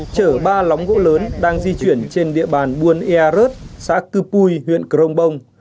chở ba lóng gỗ lớn đang di chuyển trên địa bàn buôn ea rớt xã cư bui huyện krombong